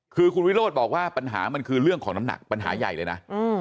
คือคุณวิโรธบอกว่าปัญหามันคือเรื่องของน้ำหนักปัญหาใหญ่เลยนะ